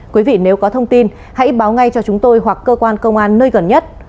quý vị nếu có thông tin hãy báo ngay cho chúng tôi hoặc cơ quan công an nơi gần nhất